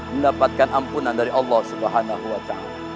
mendapatkan ampunan dari allah swt